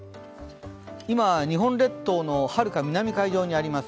今、日本列島のはるか南海上にあります